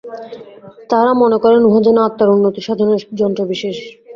তাঁহারা মনে করেন, উহা যেন আত্মার উন্নতিসাধনের যন্ত্রবিশেষ।